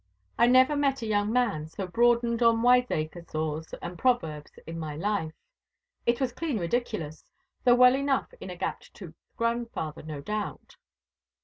I never met a young man so broadened on wiseacre saws and proverbs in my life. It was clean ridiculous, though well enough in a gap toothed grandfather, no doubt.